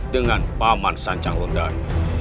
dengan paman sancang london